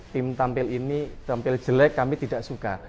tim tampil ini tampil jelek kami tidak suka